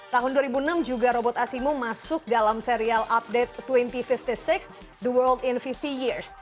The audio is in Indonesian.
tahun dua ribu enam juga robot asimo masuk dalam serial update dua puluh lima puluh enam the world in visi years